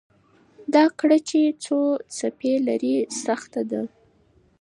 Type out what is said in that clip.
دا ګړه چې څو څپې لري، سخته ده.